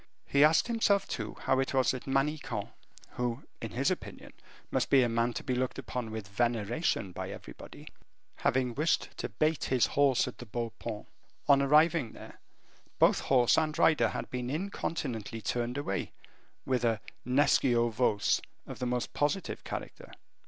He asked himself, too, how it was that Manicamp, who, in his opinion, must be a man to be looked upon with veneration by everybody, having wished to bait his horse at the Beau Paon, on arriving there, both horse and rider had been incontinently turned away with a nescio vos of the most positive character.